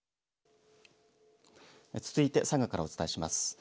続いて、佐賀からお伝えします。